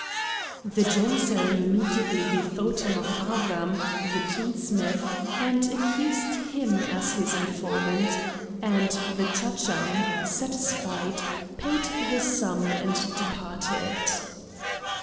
The Janissary immediately bethought him of Avram, the tinsmith, and accused him as his informant, and the Chacham, satisfied, paid the sum and departed.